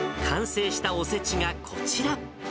完成したおせちがこちら。